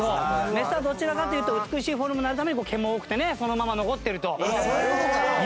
メスはどちらかというと美しいフォルムになるために毛も多くてねそのまま残ってるという事なんですね。